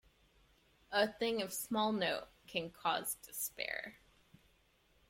A thing of small note can cause despair.